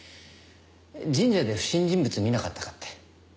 神社で不審人物見なかったかって。